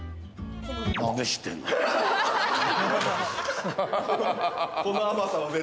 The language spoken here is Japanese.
何で知ってんの？